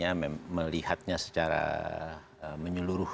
jadi memang baik kita melihatnya secara menyuruh